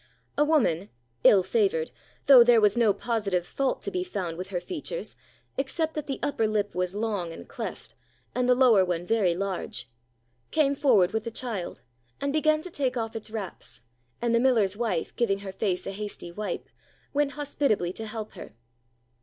A woman—ill favored, though there was no positive fault to be found with her features, except that the upper lip was long and cleft, and the lower one very large—came forward with the child, and began to take off its wraps, and the miller's wife, giving her face a hasty wipe, went hospitably to help her.